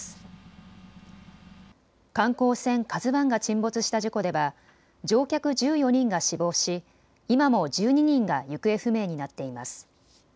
ＫＡＺＵＩが沈没した事故では乗客１４人が死亡し今も１２人が行方不明になっています。